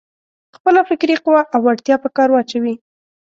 خپله فکري قوه او وړتيا په کار واچوي.